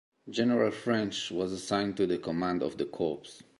General French was assigned to the command of the corps.